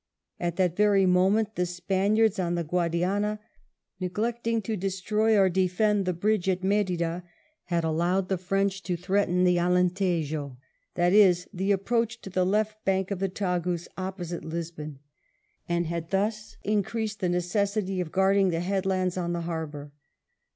At that very moment the Spaniards on the Guadiana^ neglecting to destroy or defend the bridge at Merida^ had allowed the French to threaten the Alentejo, that is the approach to the left bank of the Tagus opposite Lisbon, and had thus increased the necessity of guarding the headlands on the harbour.